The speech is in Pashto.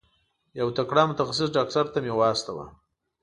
یو تکړه متخصص ډاکټر ته مي واستوه.